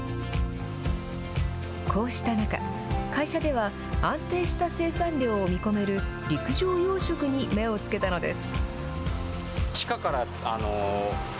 こうした中、会社では、安定した生産量を見込める陸上養殖に目を付けたのです。